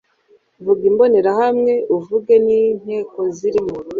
vuga imbonerahamwe uvuge n inteko zirimo